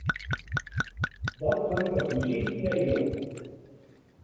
Dat klinkt as muzyk yn 'e earen.